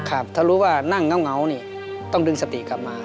ถ้ารู้ว่านั่งเหงานี่ต้องดึงสติกลับมา